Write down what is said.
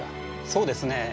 そうですね